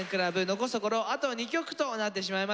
残すところあと２曲となってしまいました。